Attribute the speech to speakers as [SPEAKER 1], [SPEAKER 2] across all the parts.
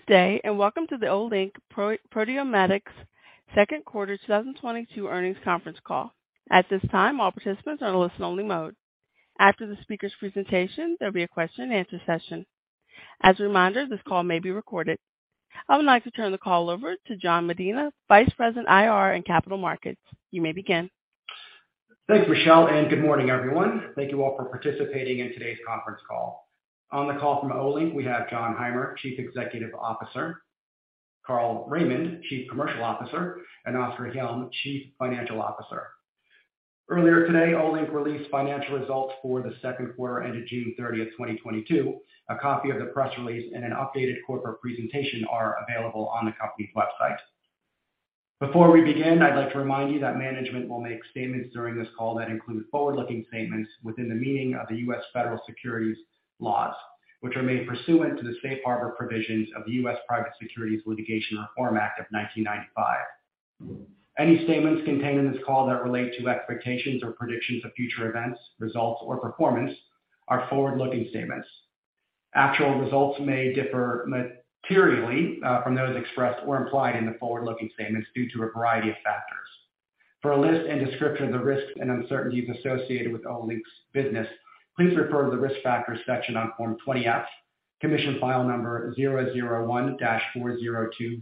[SPEAKER 1] Good day, and welcome to the Olink Proteomics Second Quarter 2022 Earnings Conference Call. At this time, all participants are in listen-only mode. After the speaker's presentation, there'll be a question-and-answer session. As a reminder, this call may be recorded. I would like to turn the call over to Jan Medina, Vice President, IR and Capital Markets. You may begin.
[SPEAKER 2] Thanks, Michelle, and good morning everyone. Thank you all for participating in today's conference call. On the call from Olink we have Jon Heimer, Chief Executive Officer, Carl Raimond, Chief Commercial Officer, and Oskar Hjelm, Chief Financial Officer. Earlier today, Olink released financial results for the second quarter ended June 30th, 2022. A copy of the press release and an updated corporate presentation are available on the company's website. Before we begin, I'd like to remind you that management will make statements during this call that include forward-looking statements within the meaning of the U.S. Federal securities laws, which are made pursuant to the safe harbor provisions of the U.S. Private Securities Litigation Reform Act of 1995. Any statements contained in this call that relate to expectations or predictions of future events, results or performance are forward-looking statements. Actual results may differ materially from those expressed or implied in the forward-looking statements due to a variety of factors. For a list and description of the risks and uncertainties associated with Olink's business, please refer to the Risk Factors section on Form 20-F, Commission File Number 001-40277,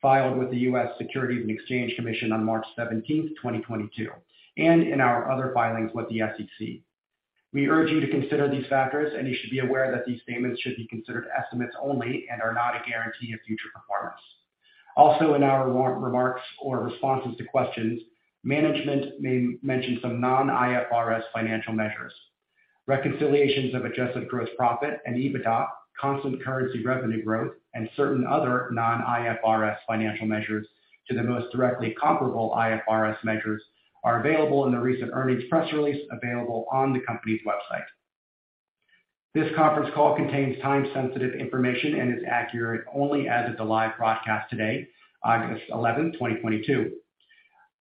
[SPEAKER 2] filed with the U.S. Securities and Exchange Commission on March 17th, 2022, and in our other filings with the SEC. We urge you to consider these factors, and you should be aware that these statements should be considered estimates only and are not a guarantee of future performance. Also in our remarks or responses to questions, management may mention some non-IFRS financial measures. Reconciliations of adjusted gross profit and EBITDA, constant currency revenue growth and certain other non-IFRS financial measures to the most directly comparable IFRS measures are available in the recent earnings press release available on the company's website. This conference call contains time sensitive information and is accurate only as of the live broadcast today, August 11, 2022.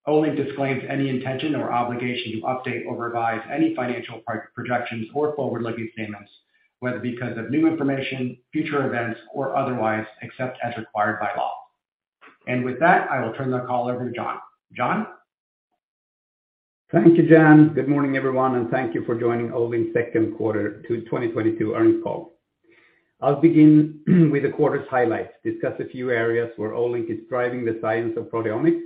[SPEAKER 2] Olink disclaims any intention or obligation to update or revise any financial projections or forward-looking statements, whether because of new information, future events or otherwise, except as required by law. With that, I will turn the call over to Jon. Jon.
[SPEAKER 3] Thank you, Jan. Good morning everyone, and thank you for joining Olink Second Quarter 2022 Earnings Call. I'll begin with the quarter's highlights, discuss a few areas where Olink is driving the science of proteomics.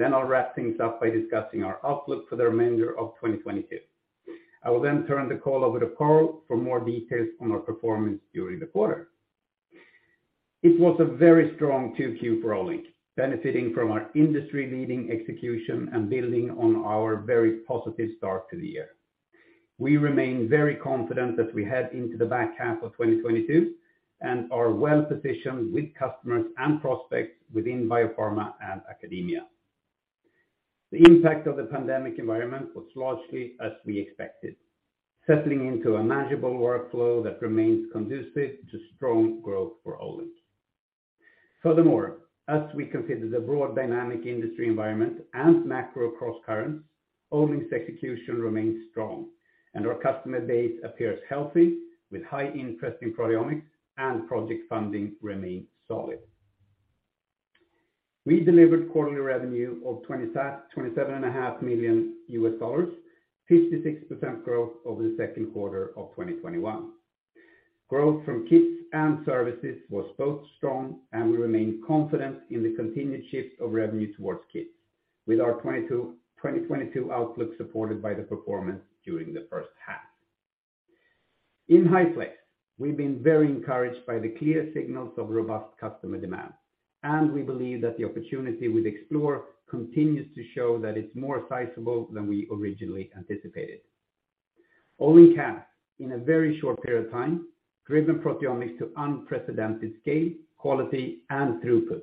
[SPEAKER 3] I'll wrap things up by discussing our outlook for the remainder of 2022. I will then turn the call over to Carl for more details on our performance during the quarter. It was a very strong 2Q for Olink, benefiting from our industry leading execution and building on our very positive start to the year. We remain very confident that we head into the back half of 2022 and are well positioned with customers and prospects within biopharma and academia. The impact of the pandemic environment was largely as we expected, settling into a manageable workflow that remains conducive to strong growth for Olink. Furthermore, as we consider the broad dynamic industry environment and macro crosscurrents, Olink's execution remains strong and our customer base appears healthy with high interest in proteomics and project funding remains solid. We delivered quarterly revenue of $27.5 million, 56% growth over the second quarter of 2021. Growth from kits and services was both strong and we remain confident in the continued shift of revenue towards kits with our 2022 outlook supported by the performance during the first half. In high-plex, we've been very encouraged by the clear signals of robust customer demand, and we believe that the opportunity with Explorer continues to show that it's more sizable than we originally anticipated. Olink has, in a very short period of time, driven proteomics to unprecedented scale, quality and throughput,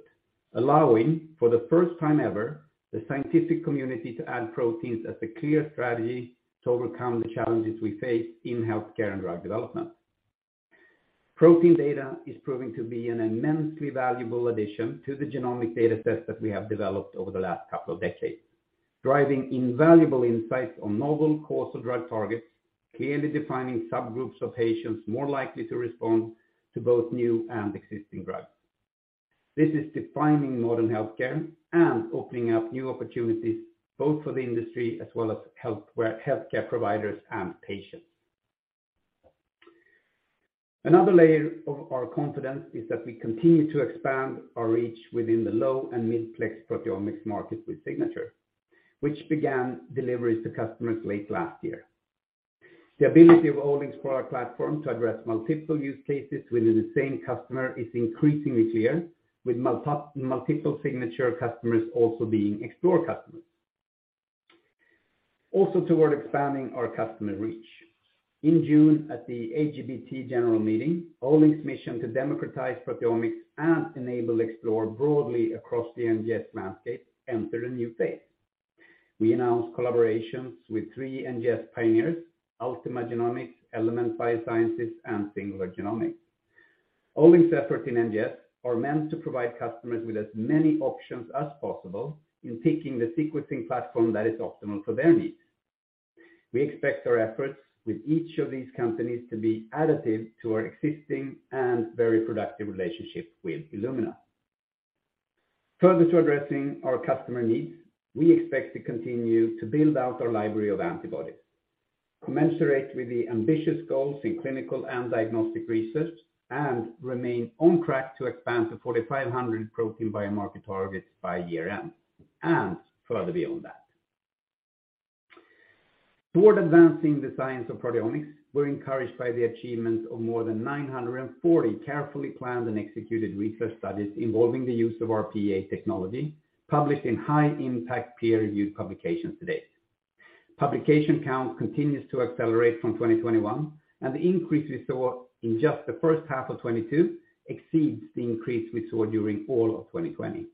[SPEAKER 3] allowing for the first time ever the scientific community to add proteins as a clear strategy to overcome the challenges we face in healthcare and drug development. Protein data is proving to be an immensely valuable addition to the genomic data sets that we have developed over the last couple of decades, driving invaluable insights on novel causal drug targets, clearly defining subgroups of patients more likely to respond to both new and existing drugs. This is defining modern healthcare and opening up new opportunities both for the industry as well as healthcare providers and patients. Another layer of our confidence is that we continue to expand our reach within the low and mid-plex proteomics market with Signature, which began deliveries to customers late last year. The ability of Olink's product platform to address multiple use cases within the same customer is increasingly clear, with multiple Signature customers also being Explore customers, toward expanding our customer reach. In June at the ASHG general meeting, Olink's mission to democratize proteomics and enable Explore broadly across the NGS landscape entered a new phase. We announced collaborations with three NGS pioneers, Ultima Genomics, Element Biosciences, and Singular Genomics. Olink's effort in NGS are meant to provide customers with as many options as possible in picking the sequencing platform that is optimal for their needs. We expect our efforts with each of these companies to be additive to our existing and very productive relationship with Illumina. Further to addressing our customer needs, we expect to continue to build out our library of antibodies, commensurate with the ambitious goals in clinical and diagnostic research, and remain on track to expand to 4,500 protein biomarker targets by year-end, and further beyond that. Toward advancing the science of proteomics, we're encouraged by the achievement of more than 940 carefully planned and executed research studies involving the use of our PEA technology, published in high impact peer-reviewed publications to date. Publication count continues to accelerate from 2021, and the increase we saw in just the first half of 2022 exceeds the increase we saw during all of 2020.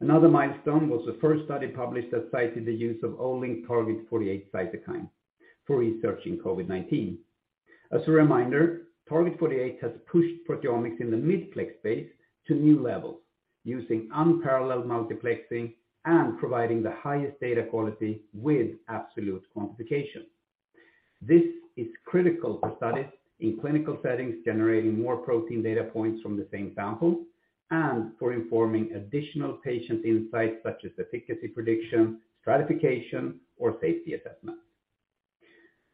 [SPEAKER 3] Another milestone was the first study published that cited the use of Olink Target 48 Cytokine for researching COVID-19. As a reminder, Target 48 has pushed proteomics in the mid plex space to new levels using unparalleled multiplexing and providing the highest data quality with absolute quantification. This is critical for studies in clinical settings, generating more protein data points from the same sample, and for informing additional patient insights such as efficacy prediction, stratification, or safety assessment.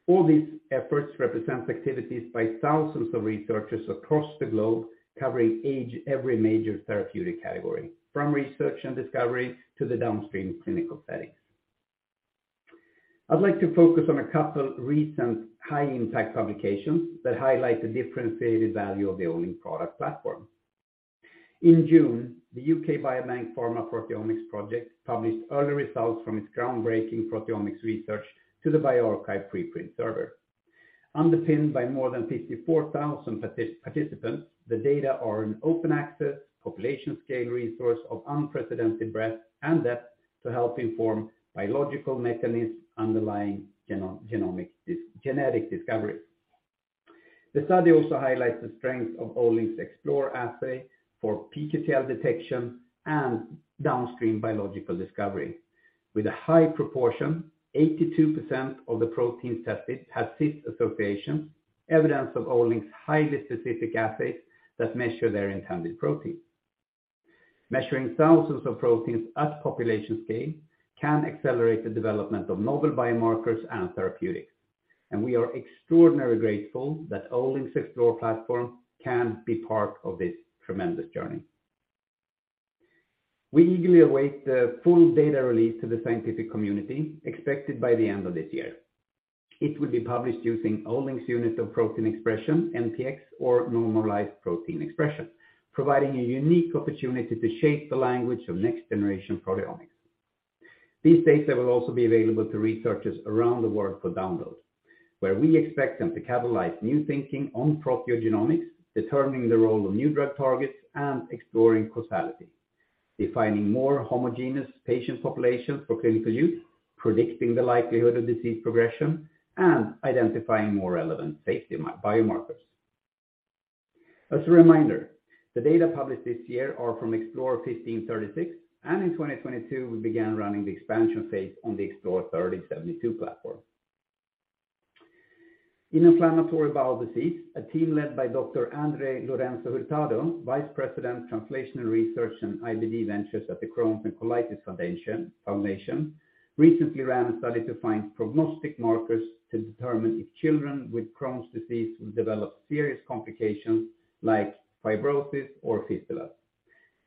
[SPEAKER 3] All these efforts represent activities by thousands of researchers across the globe, covering every major therapeutic category, from research and discovery to the downstream clinical settings. I'd like to focus on a couple recent high impact publications that highlight the differentiated value of the Olink product platform. In June, the UK Biobank-Pharma Proteomics Project published early results from its groundbreaking proteomics research to the bioRxiv preprint server. Underpinned by more than 54,000 participants, the data are an open access population scale resource of unprecedented breadth and depth to help inform biological mechanisms underlying genetic discovery. The study also highlights the strength of Olink Explore Assay for pQTL detection and downstream biological discovery. With a high proportion, 82% of the proteins tested had cis associations, evidence of Olink's highly specific assays that measure their intended protein. Measuring thousands of proteins at population scale can accelerate the development of novel biomarkers and therapeutics, and we are extraordinarily grateful that Olink's Explore platform can be part of this tremendous journey. We eagerly await the full data release to the scientific community expected by the end of this year. It will be published using Olink's unit of protein expression, NPX, or normalized protein expression, providing a unique opportunity to shape the language of next generation proteomics. These data will also be available to researchers around the world for download, where we expect them to catalyze new thinking on proteogenomics, determining the role of new drug targets and exploring causality, defining more homogeneous patient populations for clinical use, predicting the likelihood of disease progression, and identifying more relevant safety biomarkers. As a reminder, the data published this year are from Explore 1536, and in 2022, we began running the expansion phase on the Explore 3072 platform. In inflammatory bowel disease, a team led by Dr. Andrés Hurtado-Lorenzo, Vice President, Translational Research and IBD Ventures at the Crohn's & Colitis Foundation, recently ran a study to find prognostic markers to determine if children with Crohn's disease will develop serious complications like fibrosis or fistula,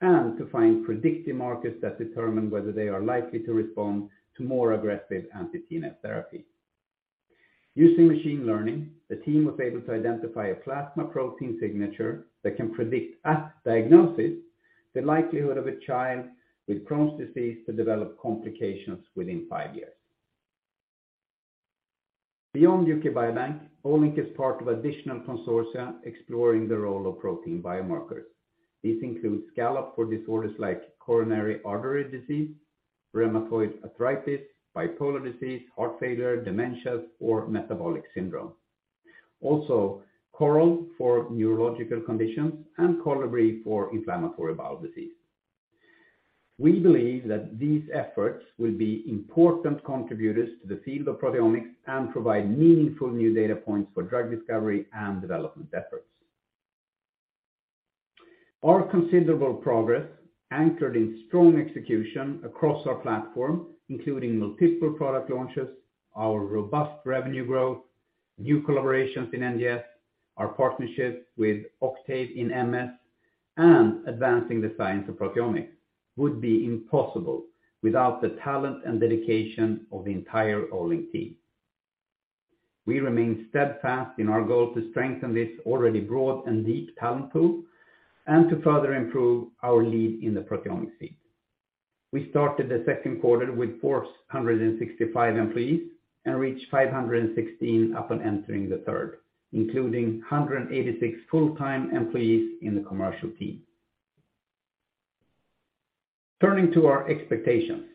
[SPEAKER 3] and to find predictive markers that determine whether they are likely to respond to more aggressive anti-TNF therapy. Using machine learning, the team was able to identify a plasma protein signature that can predict at diagnosis the likelihood of a child with Crohn's disease to develop complications within five years. Beyond UK Biobank, Olink is part of additional consortia exploring the role of protein biomarkers. These include SCALLOP for disorders like coronary artery disease, rheumatoid arthritis, bipolar disease, heart failure, dementia, or metabolic syndrome. Also, CORAL for neurological conditions and COLLIBRI for inflammatory bowel disease. We believe that these efforts will be important contributors to the field of proteomics and provide meaningful new data points for drug discovery and development efforts. Our considerable progress, anchored in strong execution across our platform, including multiple product launches, our robust revenue growth, new collaborations in NGS, our partnership with Octave in MS, and advancing the science of proteomics, would be impossible without the talent and dedication of the entire Olink team. We remain steadfast in our goal to strengthen this already broad and deep talent pool and to further improve our lead in the proteomics field. We started the second quarter with 465 employees and reached 516 upon entering the third, including 186 full-time employees in the commercial team. Turning to our expectations,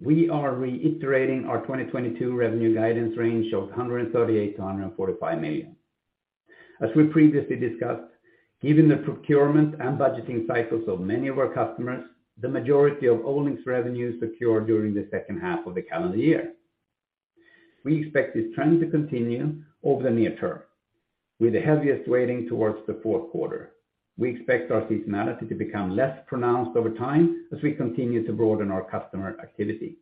[SPEAKER 3] we are reiterating our 2022 revenue guidance range of 138 million-145 million. As we previously discussed, given the procurement and budgeting cycles of many of our customers, the majority of Olink's revenue is secured during the second half of the calendar year. We expect this trend to continue over the near term, with the heaviest weighting towards the fourth quarter. We expect our seasonality to become less pronounced over time as we continue to broaden our customer activity.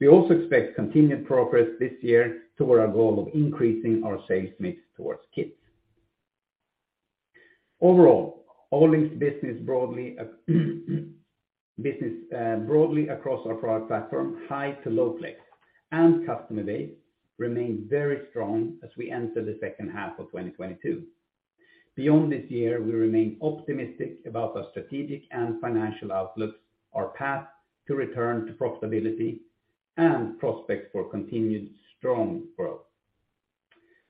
[SPEAKER 3] We also expect continued progress this year toward our goal of increasing our sales mix towards kits. Overall, Olink's business broadly across our product platform, high to low plex and customer base remains very strong as we enter the second half of 2022. Beyond this year, we remain optimistic about our strategic and financial outlooks, our path to return to profitability, and prospects for continued strong growth.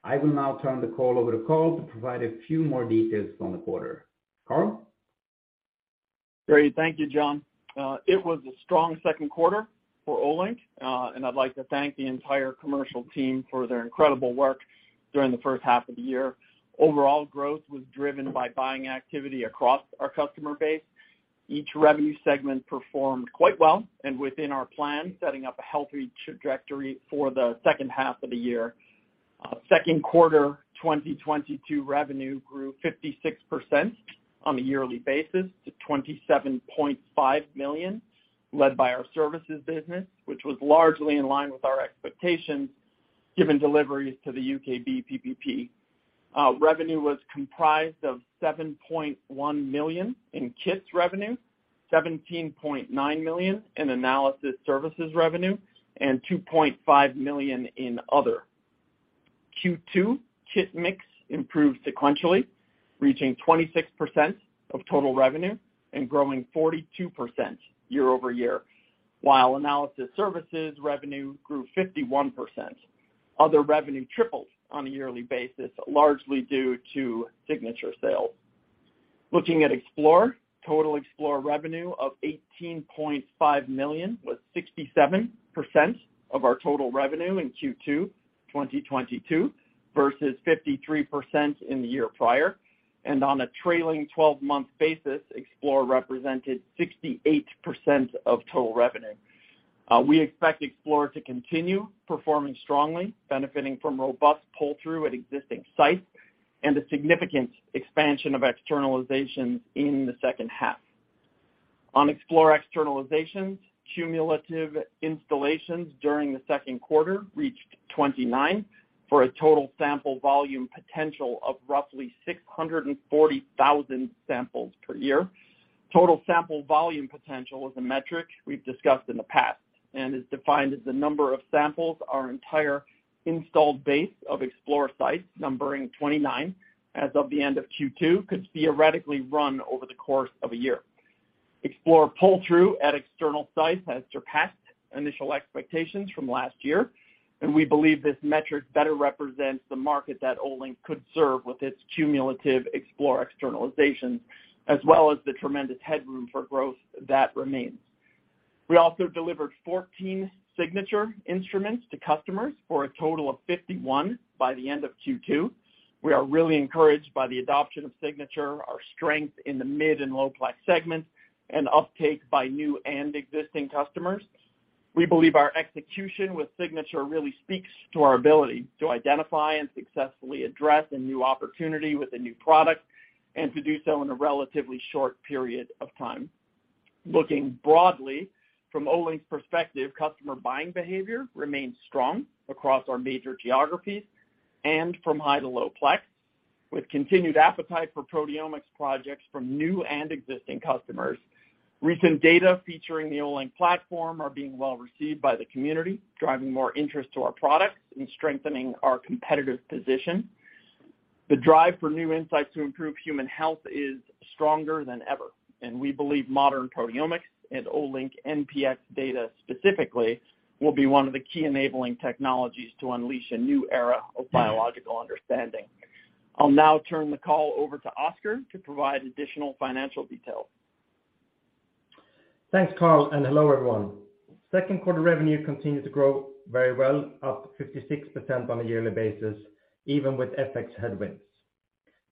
[SPEAKER 3] I will now turn the call over to Carl to provide a few more details on the quarter. Carl?
[SPEAKER 4] Great. Thank you, Jon. It was a strong second quarter for Olink, and I'd like to thank the entire commercial team for their incredible work during the first half of the year. Overall growth was driven by buying activity across our customer base. Each revenue segment performed quite well and within our plan, setting up a healthy trajectory for the second half of the year. Second quarter 2022 revenue grew 56% on the yearly basis, to 27.5 million, led by our services business, which was largely in line with our expectations, given deliveries to the UK BPP. Revenue was comprised of 7.1 million in kits revenue, 17.9 million in analysis services revenue, and 2.5 million in other. Q2 kit mix improved sequentially, reaching 26% of total revenue and growing 42% year-over-year. While analysis services revenue grew 51%, other revenue tripled on a yearly basis, largely due to Signature sales. Looking at Explore, total Explore revenue of 18.5 million was 67% of our total revenue in Q2 2022 versus 53% in the year prior. On a trailing twelve-month basis, Explore represented 68% of total revenue. We expect Explore to continue performing strongly, benefiting from robust pull-through at existing sites and a significant expansion of externalizations in the second half. On Explore externalizations, cumulative installations during the second quarter reached 29 for a total sample volume potential of roughly 640,000 samples per year. Total sample volume potential is a metric we've discussed in the past and is defined as the number of samples our entire installed base of Explore sites, numbering 29 as of the end of Q2, could theoretically run over the course of a year. Explore pull-through at external sites has surpassed initial expectations from last year, and we believe this metric better represents the market that Olink could serve with its cumulative Explore externalizations, as well as the tremendous headroom for growth that remains. We also delivered 14 signature instruments to customers for a total of 51 by the end of Q2. We are really encouraged by the adoption of Signature, our strength in the mid and low-plex segments, and uptake by new and existing customers. We believe our execution with Signature really speaks to our ability to identify and successfully address a new opportunity with a new product, and to do so in a relatively short period of time. Looking broadly from Olink's perspective, customer buying behavior remains strong across our major geographies and from high to low plex, with continued appetite for proteomics projects from new and existing customers. Recent data featuring the Olink platform are being well received by the community, driving more interest to our products and strengthening our competitive position. The drive for new insights to improve human health is stronger than ever, and we believe modern proteomics and Olink NPX data specifically will be one of the key enabling technologies to unleash a new era of biological understanding. I'll now turn the call over to Oskar to provide additional financial details.
[SPEAKER 5] Thanks, Carl, and hello, everyone. Second quarter revenue continued to grow very well, up 56% on a yearly basis, even with FX headwinds.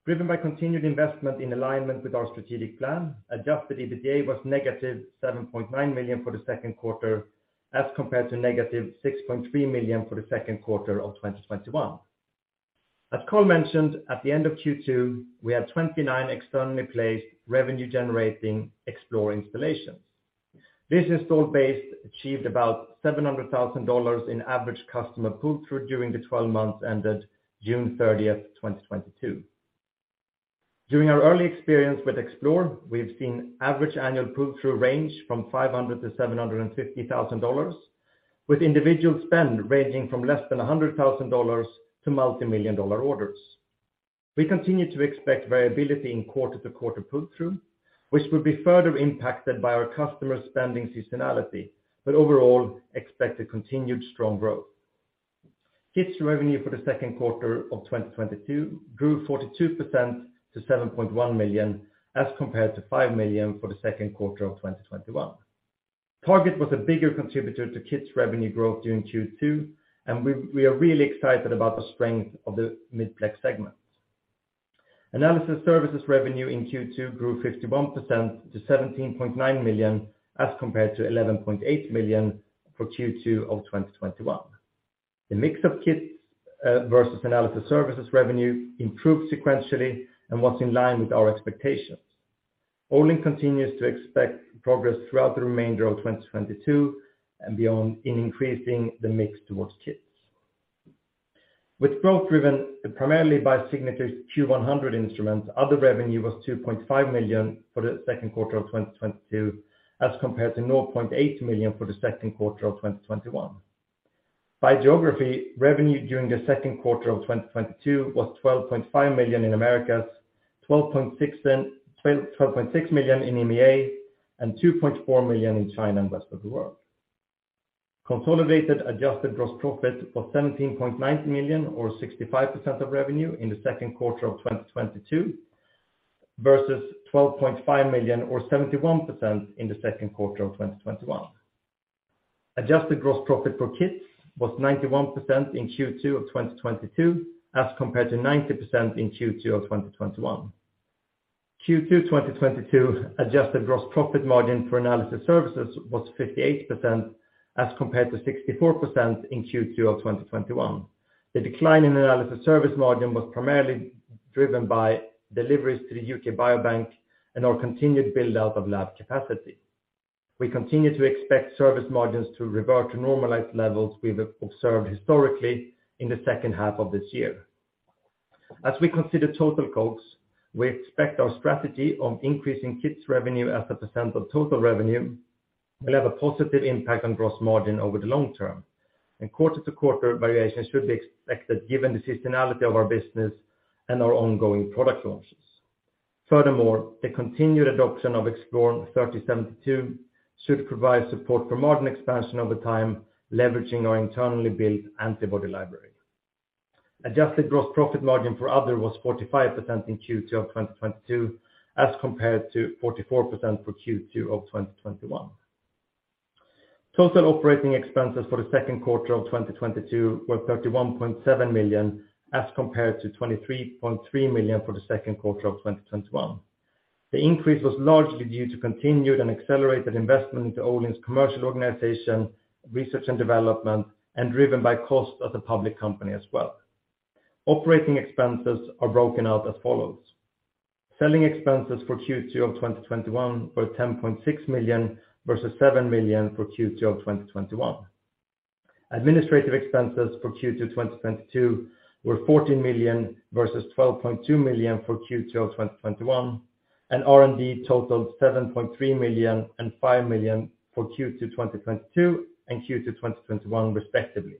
[SPEAKER 5] Driven by continued investment in alignment with our strategic plan, adjusted EBITDA was -7.9 million for the second quarter, as compared to -6.3 million for the second quarter of 2021. As Carl mentioned, at the end of Q2, we had 29 externally placed revenue-generating Explore installations. This install base achieved about SEK 700,000 in average customer pull-through during the 12 months ended June 30, 2022. During our early experience with Explore, we have seen average annual pull-through range from 500,000 to SEK 750,000, with individual spend ranging from less than SEK 100,000 to multimillion-dollar orders. We continue to expect variability in quarter-to-quarter pull-through, which will be further impacted by our customer spending seasonality, but overall expect a continued strong growth. Kits revenue for the second quarter of 2022 grew 42% to 7.1 million, as compared to 5 million for the second quarter of 2021. Target was a bigger contributor to kits revenue growth during Q2, and we are really excited about the strength of the mid-plex segment. Analysis services revenue in Q2 grew 51% to 17.9 million, as compared to 11.8 million for Q2 of 2021. The mix of kits versus analysis services revenue improved sequentially and was in line with our expectations. Olink continues to expect progress throughout the remainder of 2022 and beyond in increasing the mix towards kits. With growth driven primarily by Signature Q100 instruments, other revenue was 2.5 million for the second quarter of 2022, as compared to 800,000 for the second quarter of 2021. By geography, revenue during the second quarter of 2022 was 12.5 million in Americas, 12.6 million in EMEA, and 2.4 million in China and rest of the world. Consolidated adjusted gross profit was 17.9 million or 65% of revenue in the second quarter of 2022 versus 12.5 million or 71% in the second quarter of 2021. Adjusted gross profit for kits was 91% in Q2 of 2022, as compared to 90% in Q2 of 2021. Q2 2022 adjusted gross profit margin for analysis services was 58%, as compared to 64% in Q2 of 2021. The decline in analysis service margin was primarily driven by deliveries to the UK Biobank and our continued build out of lab capacity. We continue to expect service margins to revert to normalized levels we've observed historically in the second half of this year. As we consider total quotes, we expect our strategy of increasing kits revenue as a percent of total revenue will have a positive impact on gross margin over the long term, and quarter-to-quarter variations should be expected given the seasonality of our business and our ongoing product launches. Furthermore, the continued adoption of Explore 3072 should provide support for margin expansion over time, leveraging our internally built antibody library. Adjusted gross profit margin for other was 45% in Q2 of 2022, as compared to 44% for Q2 of 2021. Total operating expenses for the second quarter of 2022 were 31.7 million as compared to 23.3 million for the second quarter of 2021. The increase was largely due to continued and accelerated investment into Olink's commercial organization, research and development, and driven by cost of the public company as well. Operating expenses are broken out as follows. Selling expenses for Q2 of 2022 were 10.6 million versus 7 million for Q2 of 2021. Administrative expenses for Q2 2022 were 14 million versus 12.2 million for Q2 of 2021, and R&D totaled 7.3 million and 5 million for Q2 2022 and Q2 2021 respectively.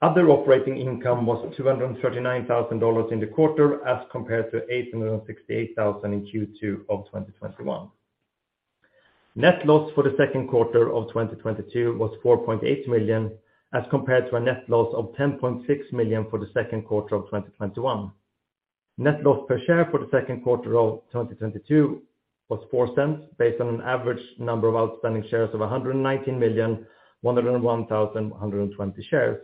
[SPEAKER 5] Other operating income was SEK 239,000 in the quarter as compared to 868,000 in Q2 of 2021. Net loss for the second quarter of 2022 was $4.8 million as compared to a net loss of 10.6 million for the second quarter of 2021. Net loss per share for the second quarter of 2022 was 0.04 based on an average number of outstanding shares of 119,101,120 shares,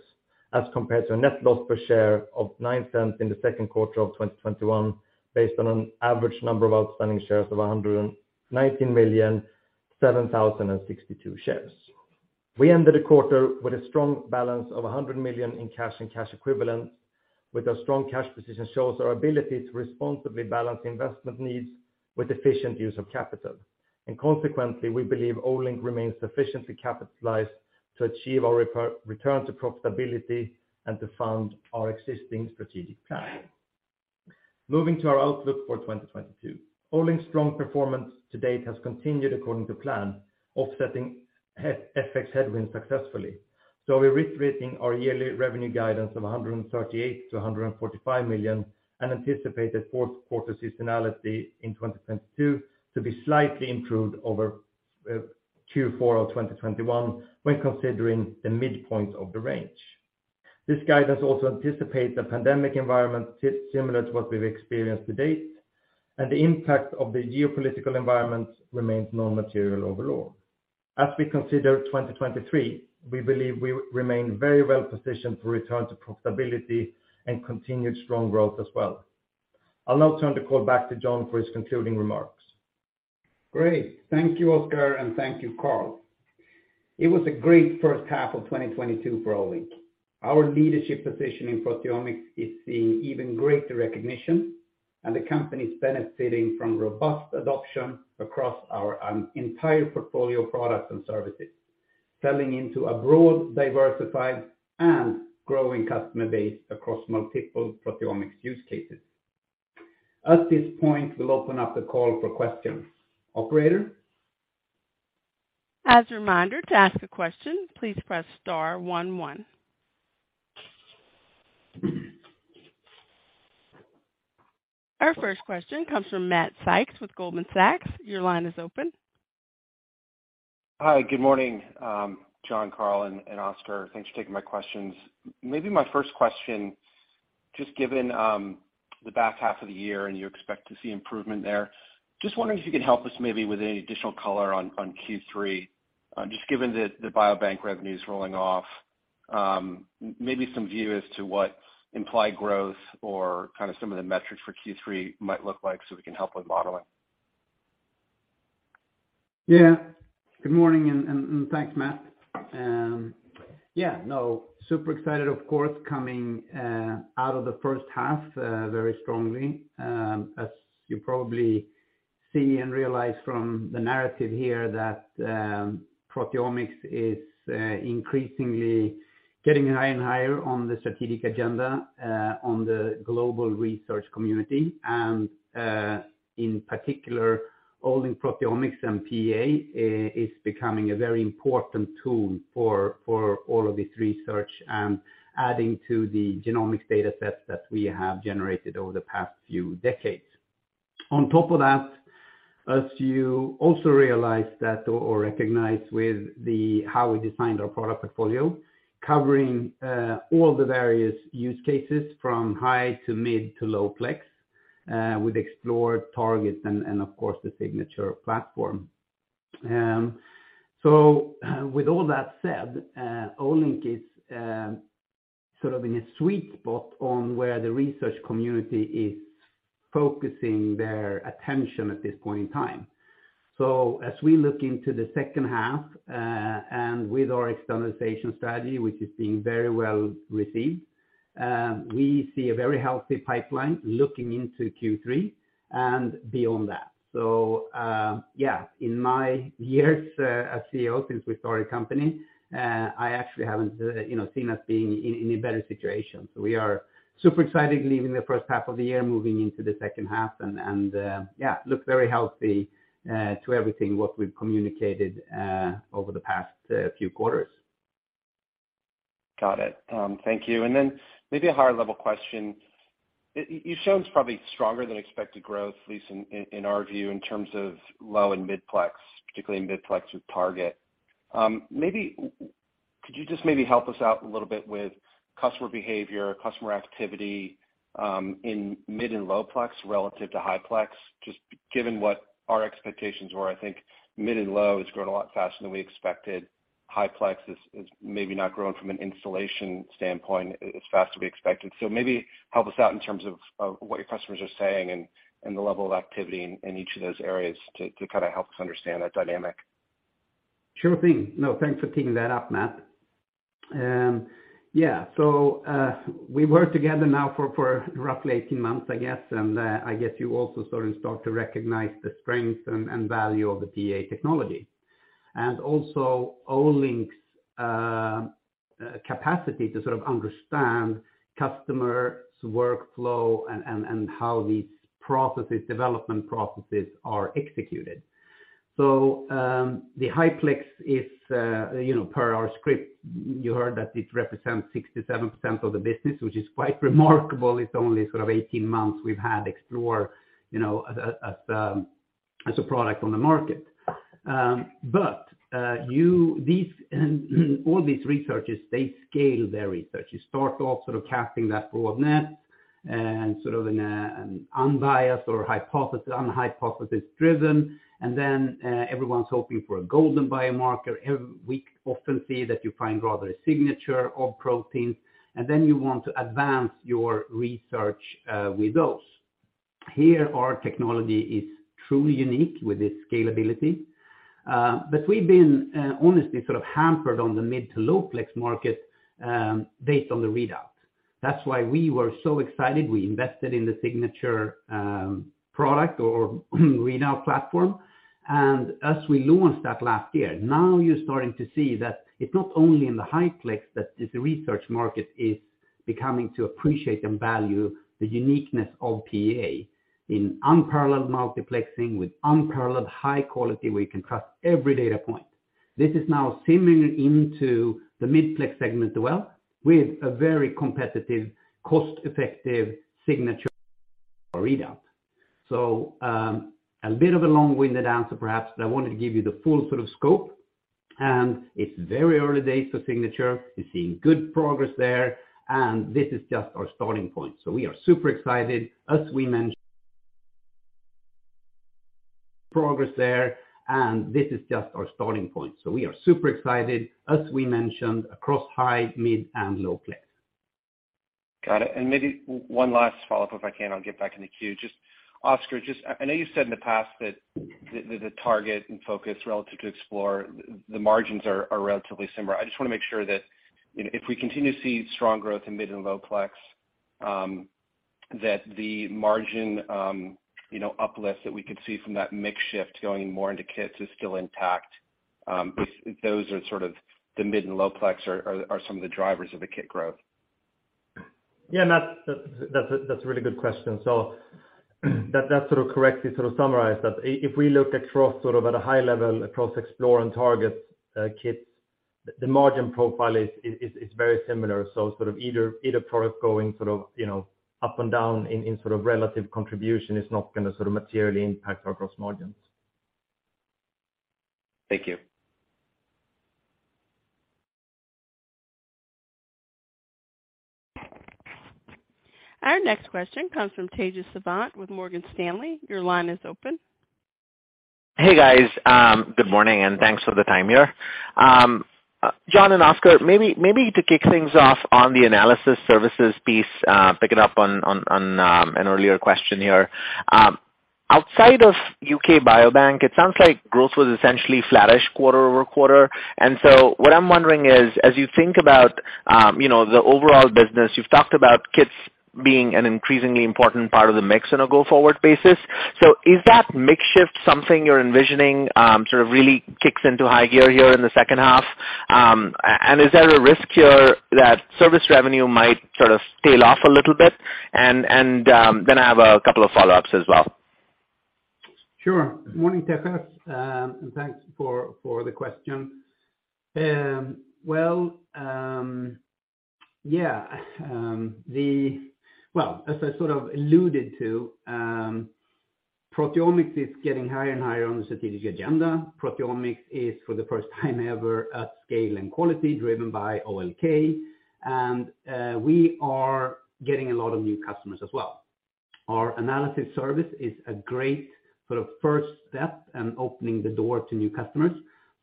[SPEAKER 5] as compared to a net loss per share of 0.09 in the second quarter of 2021 based on an average number of outstanding shares of 119,007,062 shares. We ended the quarter with a strong balance of 100 million in cash and cash equivalents. Our strong cash position shows our ability to responsibly balance investment needs with efficient use of capital. Consequently, we believe Olink remains sufficiently capitalized to achieve our return to profitability and to fund our existing strategic plan. Moving to our outlook for 2022. Olink's strong performance to date has continued according to plan, offsetting FX headwinds successfully. We're reiterating our yearly revenue guidance of 138 million-145 million and anticipate that fourth quarter seasonality in 2022 to be slightly improved over Q4 of 2021 when considering the midpoint of the range. This guidance also anticipates a pandemic environment similar to what we've experienced to date, and the impact of the geopolitical environment remains non-material overall. As we consider 2023, we believe we remain very well positioned for return to profitability and continued strong growth as well. I'll now turn the call back to Jon for his concluding remarks.
[SPEAKER 3] Great. Thank you, Oskar, and thank you, Carl. It was a great first half of 2022 for Olink. Our leadership position in proteomics is seeing even greater recognition, and the company is benefiting from robust adoption across our entire portfolio of products and services, selling into a broad, diversified and growing customer base across multiple proteomics use cases. At this point, we'll open up the call for questions. Operator?
[SPEAKER 1] As a reminder, to ask a question, please press star one one. Our first question comes from Matt Sykes with Goldman Sachs. Your line is open.
[SPEAKER 6] Hi. Good morning, Jon, Carl and Oskar. Thanks for taking my questions. Maybe my first question. Just given the back half of the year and you expect to see improvement there. Just wondering if you could help us maybe with any additional color on Q3, just given that the biobank revenue is rolling off, maybe some view as to what implied growth or kind of some of the metrics for Q3 might look like so we can help with modeling.
[SPEAKER 3] Yeah. Good morning and thanks, Matt. Yeah, no, super excited, of course, coming out of the first half very strongly. As you probably see and realize from the narrative here that proteomics is increasingly getting higher and higher on the strategic agenda in the global research community. In particular, Olink Proteomics and PEA is becoming a very important tool for all of this research and adding to the genomics data sets that we have generated over the past few decades. On top of that, as you also recognize with how we designed our product portfolio, covering all the various use cases from high to mid to low-plex, with Explore, Target, and, of course, the Signature platform. With all that said, Olink is sort of in a sweet spot on where the research community is focusing their attention at this point in time. As we look into the second half, and with our externalization strategy, which is being very well received, we see a very healthy pipeline looking into Q3 and beyond that. Yeah, in my years, as CEO, since we started company, I actually haven't, you know, seen us being in a better situation. We are super excited leaving the first half of the year, moving into the second half and, yeah, looks very healthy to everything what we've communicated over the past few quarters.
[SPEAKER 6] Got it. Thank you. Maybe a higher-level question. You've shown it's probably stronger than expected growth, at least in our view, in terms of low and mid-plex, particularly in mid plex with target. Maybe could you just maybe help us out a little bit with customer behavior, customer activity, in mid and low-plex relative to high-plex, just given what our expectations were. I think mid and low has grown a lot faster than we expected. High plex is maybe not growing from an installation standpoint as fast as we expected. Maybe help us out in terms of what your customers are saying and the level of activity in each of those areas to kind of help us understand that dynamic.
[SPEAKER 3] Sure thing. Thanks for picking that up, Matt. We worked together now for roughly 18 months, I guess. I guess you also sort of start to recognize the strength and value of the PEA technology. Also Olink's capacity to sort of understand customers' workflow and how these processes, development processes are executed. The high-plex is you know per our script you heard that it represents 67% of the business, which is quite remarkable. It's only sort of 18 months we've had Explore you know as a product on the market. These and all these researchers, they scale their research. You start off sort of casting that broad net and sort of in an unbiased or hypothesis-driven. Everyone's hoping for a golden biomarker. We often see that you find rather a signature of proteins, and then you want to advance your research with those. Our technology is truly unique with its scalability. We've been honestly sort of hampered on the mid- to low-plex market based on the readout. That's why we were so excited. We invested in the signature product or readout platform. As we launched that last year, now you're starting to see that it's not only in the high-plex, but this research market is beginning to appreciate and value the uniqueness of PEA in unparalleled multiplexing with unparalleled high quality where you can trust every data point. This is now seeping into the mid-plex segment as well with a very competitive, cost-effective signature readout. A bit of a long-winded answer, perhaps, but I wanted to give you the full sort of scope. It's very early days for Signature. We're seeing good progress there, and this is just our starting point. We are super excited, as we mentioned, across high, mid, and low-plex.
[SPEAKER 6] Got it. Maybe one last follow-up, if I can. I'll get back in the queue. Just, Oskar, I know you said in the past that the target and focus relative to Explore, the margins are relatively similar. I just want to make sure that, you know, if we continue to see strong growth in mid and low plex, that the margin, you know, uplifts that we could see from that mix shift going more into kits is still intact, if those are sort of the mid and low plex are some of the drivers of the kit growth.
[SPEAKER 5] Yeah, Matt, that's a really good question. That sort of correctly summarize that if we look across sort of at a high level, across Explore and Target kits, the margin profile is very similar. Either product going sort of, you know, up and down in relative contribution is not gonna sort of materially impact our gross margins.
[SPEAKER 6] Thank you.
[SPEAKER 1] Our next question comes from Tejas Savant with Morgan Stanley. Your line is open.
[SPEAKER 7] Hey, guys. Good morning, and thanks for the time here. Jon and Oskar, maybe to kick things off on the analysis services piece, picking up on an earlier question here. Outside of UK Biobank, it sounds like growth was essentially flattish quarter-over-quarter. What I'm wondering is, as you think about, you know, the overall business, you've talked about kits being an increasingly important part of the mix on a go-forward basis. Is that mix shift something you're envisioning sort of really kicks into high gear here in the second half? And is there a risk here that service revenue might sort of scale off a little bit? Then I have a couple of follow-ups as well.
[SPEAKER 3] Sure. Morning, Tejas, and thanks for the question. Well, as I sort of alluded to, proteomics is getting higher and higher on the strategic agenda. Proteomics is, for the first time ever, at scale and quality driven by Olink, and we are getting a lot of new customers as well. Our analysis service is a great sort of first step in opening the door to new customers.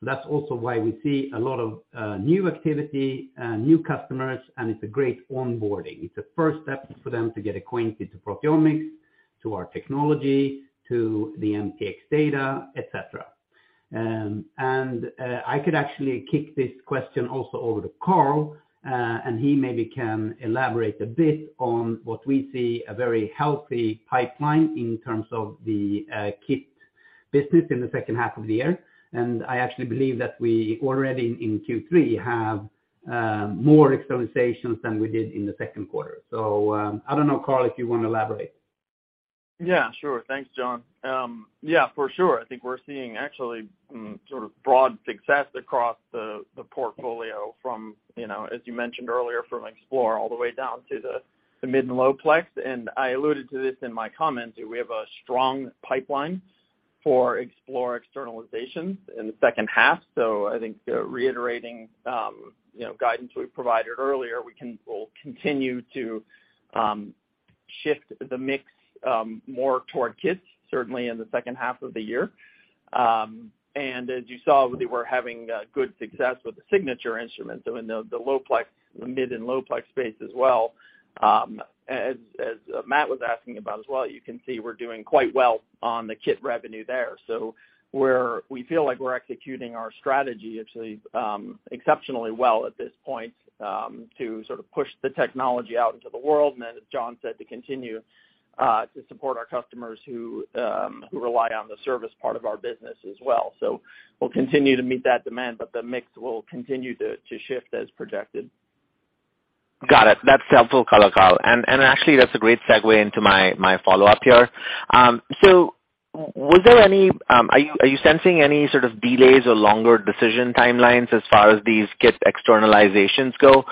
[SPEAKER 3] That's also why we see a lot of new activity, new customers, and it's a great onboarding. It's a first step for them to get acquainted to proteomics, to our technology, to the NPX data, et cetera. I could actually kick this question also over to Carl, and he maybe can elaborate a bit on what we see a very healthy pipeline in terms of the kit business in the second half of the year. I actually believe that we already in Q3 have more externalizations than we did in the second quarter. I don't know, Carl, if you wanna elaborate.
[SPEAKER 4] Yeah, sure. Thanks, Jon. Yeah, for sure. I think we're seeing actually sort of broad success across the portfolio from, you know, as you mentioned earlier, from Explore all the way down to the mid and low plex. I alluded to this in my comments, we have a strong pipeline for Explore externalizations in the second half. I think reiterating, you know, guidance we provided earlier, we'll continue to shift the mix more toward kits, certainly in the second half of the year. As you saw, we were having good success with the signature instrument, so in the low plex, the mid and low plex space as well. As Matt was asking about as well, you can see we're doing quite well on the kit revenue there. We feel like we're executing our strategy actually, exceptionally well at this point, to sort of push the technology out into the world, and as Jon said, to continue to support our customers who rely on the service part of our business as well. We'll continue to meet that demand, but the mix will continue to shift as projected.
[SPEAKER 7] Got it. That's helpful. Color, Carl. Actually, that's a great segue into my follow-up here. Are you sensing any sort of delays or longer decision timelines as far as these kit externalizations go?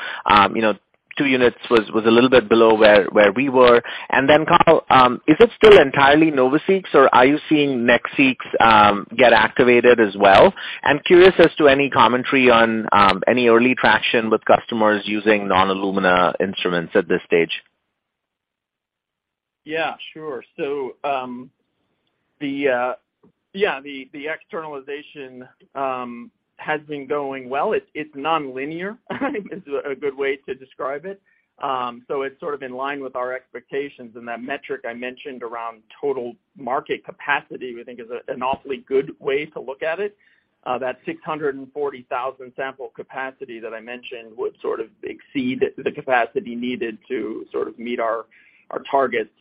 [SPEAKER 7] You know, two units was a little bit below where we were. Carl, is it still entirely NovaSeq's or are you seeing NextSeq's get activated as well? I'm curious as to any commentary on any early traction with customers using non-Illumina instruments at this stage.
[SPEAKER 4] Yeah, sure. The externalization has been going well. It's nonlinear, is a good way to describe it. It's sort of in line with our expectations. That metric I mentioned around total market capacity, we think is an awfully good way to look at it. That 640,000 sample capacity that I mentioned would sort of exceed the capacity needed to sort of meet our targets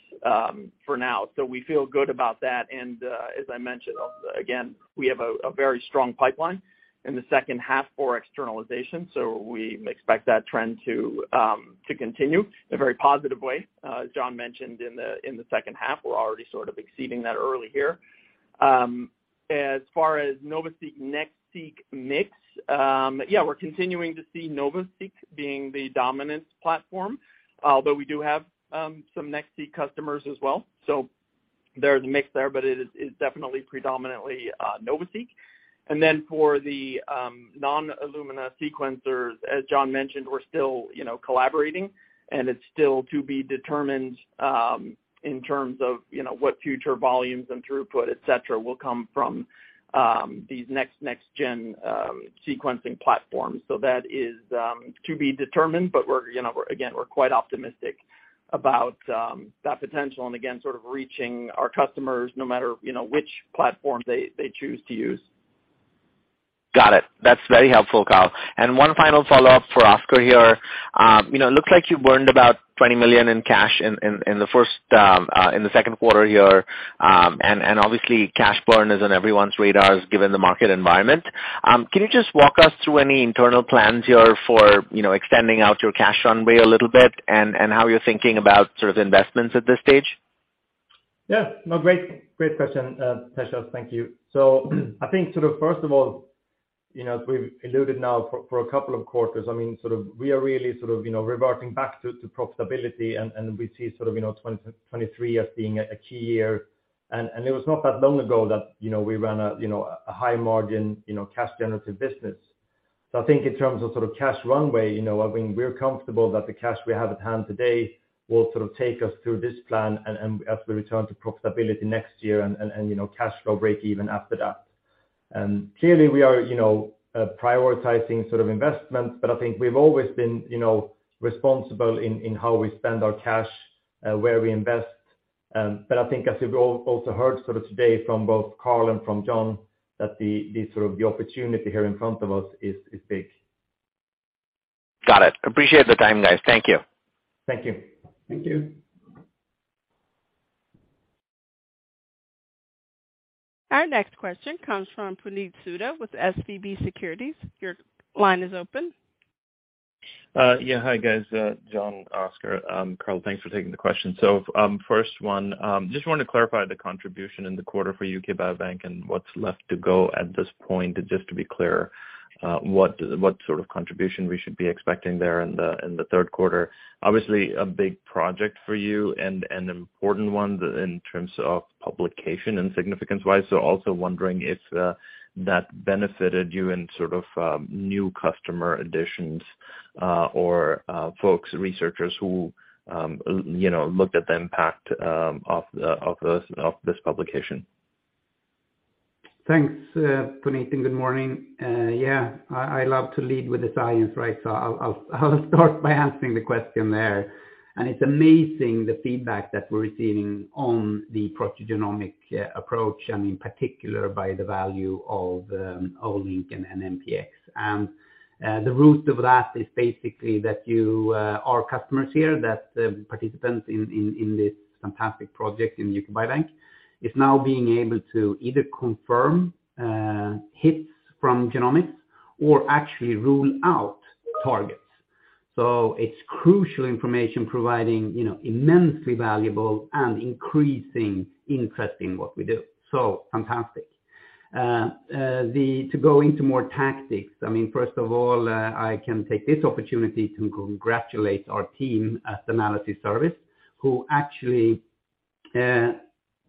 [SPEAKER 4] for now. We feel good about that. As I mentioned, again, we have a very strong pipeline in the second half for externalization, so we expect that trend to continue in a very positive way. As Jon mentioned in the second half, we're already sort of exceeding that early here. As far as NovaSeq, NextSeq mix, yeah, we're continuing to see NovaSeq being the dominant platform, but we do have some NextSeq customers as well. There's a mix there, but it is, it's definitely predominantly NovaSeq. For the non-Illumina sequencers, as Jon mentioned, we're still, you know, collaborating, and it's still to be determined in terms of, you know, what future volumes and throughput, et cetera, will come from these next gen sequencing platforms. That is to be determined, but we're, you know, again, we're quite optimistic about that potential and again, sort of reaching our customers no matter, you know, which platform they choose to use.
[SPEAKER 7] Got it. That's very helpful, Carl. One final follow-up for Oskar here. You know, it looks like you burned about 20 million in cash in the second quarter here. And obviously cash burn is on everyone's radars given the market environment. Can you just walk us through any internal plans here for you know, extending out your cash runway a little bit and how you're thinking about sort of investments at this stage?
[SPEAKER 5] Yeah. No, great question, Tejas. Thank you. So I think sort of, first of all, you know, as we've alluded now for a couple of quarters, I mean, sort of we are really sort of, you know, reverting back to profitability and we see sort of, you know, 2023 as being a key year. It was not that long ago that, you know, we ran a high margin, you know, cash generative business. So I think in terms of sort of cash runway, you know, I mean, we're comfortable that the cash we have at hand today will sort of take us through this plan and as we return to profitability next year and you know, cash flow breakeven after that. Clearly we are, you know, prioritizing sort of investments, but I think we've always been, you know, responsible in how we spend our cash, where we invest. I think as we've also heard sort of today from both Carl and from John, that the sort of opportunity here in front of us is big.
[SPEAKER 7] Got it. Appreciate the time, guys. Thank you.
[SPEAKER 3] Thank you.
[SPEAKER 4] Thank you.
[SPEAKER 1] Our next question comes from Puneet Souda with SVB Securities. Your line is open.
[SPEAKER 8] Hi, guys. Jon, Oskar, Carl, thanks for taking the question. First one, just wanted to clarify the contribution in the quarter for UK Biobank and what's left to go at this point, just to be clear, what sort of contribution we should be expecting there in the third quarter. Obviously, a big project for you and an important one in terms of publication and significance-wise. Also wondering if that benefited you in sort of new customer additions or folks, researchers who you know looked at the impact of this publication.
[SPEAKER 3] Thanks, Puneet, and good morning. Yeah, I love to lead with the science, right? I'll start by answering the question there. It's amazing the feedback that we're receiving on the proteogenomic approach, and in particular by the value of Olink and NPX. The root of that is basically that our customers here, that the participants in this fantastic project in UK Biobank, is now being able to either confirm hits from genomics or actually rule out targets. It's crucial information providing, you know, immensely valuable and increasing interest in what we do. Fantastic. To go into more tactics, I mean, first of all, I can take this opportunity to congratulate our team at Analysis Service, who actually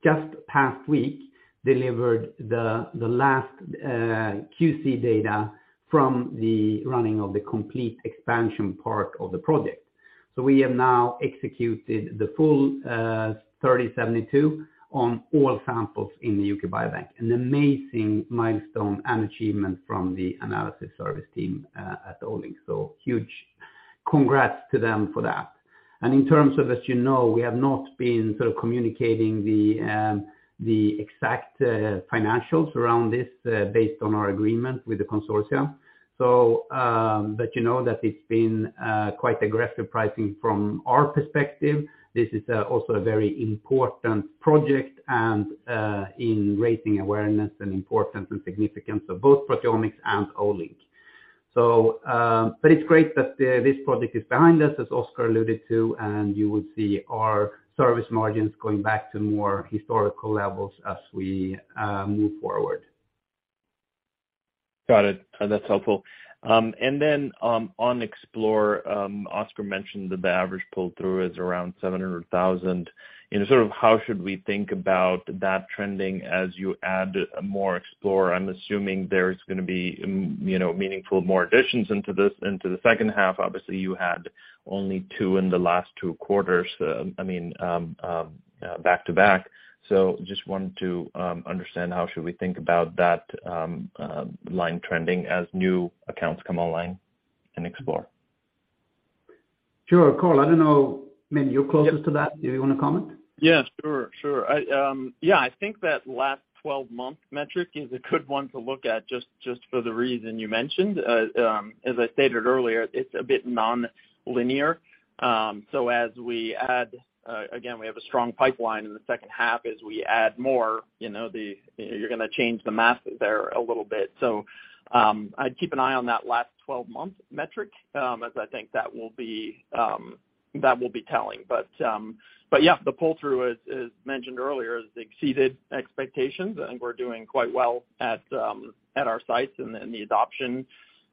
[SPEAKER 3] just past week delivered the last QC data from the running of the complete expansion part of the project. We have now executed the full 3072 on all samples in the UK Biobank, an amazing milestone and achievement from the analysis service team at Olink. Huge congrats to them for that. In terms of, as you know, we have not been sort of communicating the exact financials around this based on our agreement with the consortium. But you know that it's been quite aggressive pricing from our perspective. This is also a very important project and in raising awareness and importance and significance of both proteomics and Olink. It's great that this project is behind us, as Oskar alluded to, and you will see our service margins going back to more historical levels as we move forward.
[SPEAKER 8] Got it. That's helpful. On Explore, Oskar mentioned that the average pull-through is around 700,000. You know, sort of how should we think about that trending as you add more Explore? I'm assuming there's gonna be meaningful more additions into this, into the second half. Obviously, you had only two in the last two quarters, I mean, back-to-back. Just wanted to understand how should we think about that line trending as new accounts come online in Explore.
[SPEAKER 3] Sure. Carl, I don't know, maybe you're closest to that. Do you wanna comment?
[SPEAKER 4] Yeah, sure. I, yeah, I think that last 12-month metric is a good one to look at just for the reason you mentioned. As I stated earlier, it's a bit nonlinear. As we add again, we have a strong pipeline in the second half. As we add more, you know, you're gonna change the math there a little bit. I'd keep an eye on that last 12-month metric, as I think that will be telling. Yeah, the pull-through, as mentioned earlier, has exceeded expectations, and we're doing quite well at our sites and the adoption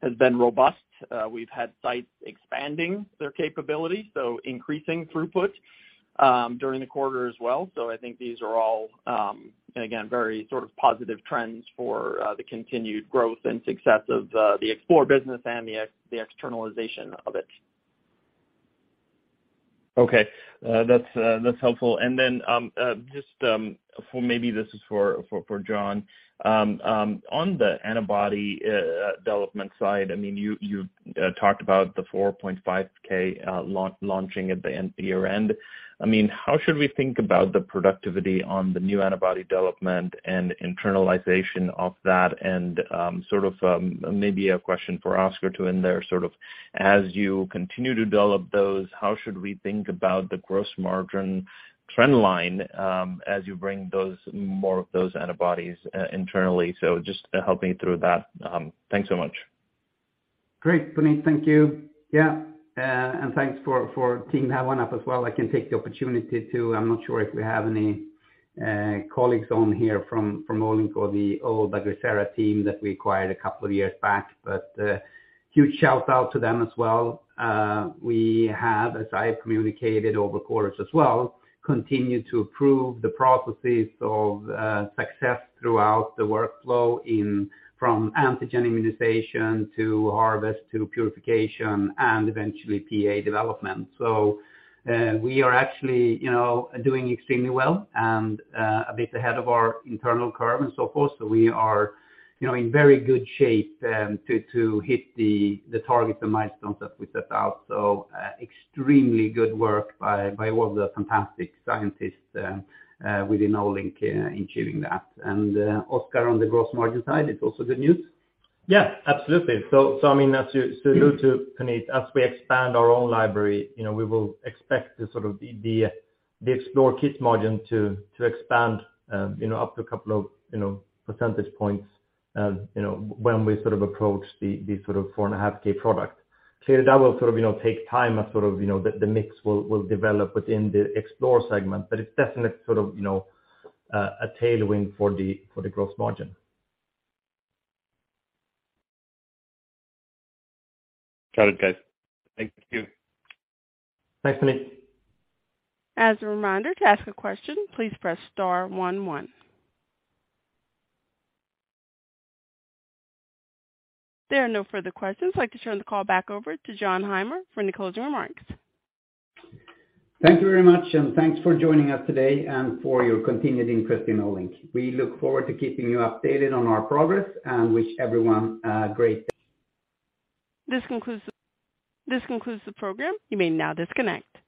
[SPEAKER 4] has been robust. We've had sites expanding their capability, so increasing throughput during the quarter as well. I think these are all, and again, very sort of positive trends for the continued growth and success of the Explore business and the externalization of it.
[SPEAKER 8] Okay. That's helpful. Just for maybe this is for Jon. On the antibody development side, I mean, you talked about the 4.5K launching at the year-end. I mean, how should we think about the productivity on the new antibody development and internalization of that? Sort of maybe a question for Oskar, too, in there. Sort of as you continue to develop those, how should we think about the gross margin trend line as you bring those more of those antibodies internally? Just help me through that. Thanks so much.
[SPEAKER 3] Great, Puneet. Thank you. Yeah, and thanks for teeing that one up as well. I can take the opportunity. I'm not sure if we have any colleagues on here from Olink or the old Agrisera team that we acquired a couple of years back. Huge shout-out to them as well. We have, as I have communicated over quarters as well, continued to improve the processes of success throughout the workflow in from antigen immunization to harvest, to purification, and eventually PEA development. We are actually, you know, doing extremely well and a bit ahead of our internal curve and so forth. We are, you know, in very good shape to hit the targets and milestones that we set out. Extremely good work by all the fantastic scientists within Olink in achieving that. Oskar, on the gross margin side, it's also good news?
[SPEAKER 5] Yeah, absolutely. I mean, due to, Puneet, as we expand our own library, you know, we will expect the sort of Explore kit margin to expand, you know, up to a couple of percentage points, you know, when we sort of approach the sort of 4.5K product. Clearly, that will sort of, you know, take time as sort of, you know, the mix will develop within the Explore segment. It's definitely sort of, you know, a tailwind for the gross margin.
[SPEAKER 8] Got it, guys. Thank you.
[SPEAKER 3] Thanks, Puneet.
[SPEAKER 1] As a reminder, to ask a question, please press star one. There are no further questions. I'd like to turn the call back over to Jon Heimer for any closing remarks.
[SPEAKER 3] Thank you very much, and thanks for joining us today and for your continued interest in Olink. We look forward to keeping you updated on our progress and wish everyone a great day.
[SPEAKER 1] This concludes the program. You may now disconnect.